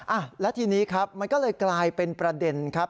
อ่ะแล้วทีนี้ครับมันก็เลยกลายเป็นประเด็นครับ